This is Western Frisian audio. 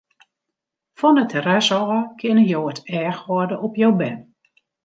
Fan it terras ôf kinne jo it each hâlde op jo bern.